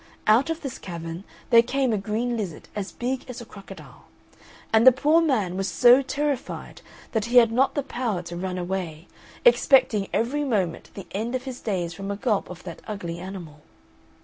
Out of this cavern there came a green lizard as big as a crocodile; and the poor man was so terrified that he had not the power to run away, expecting every moment the end of his days from a gulp of that ugly animal.